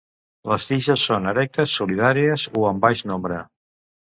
Les tiges són erectes solitàries o en baix nombre.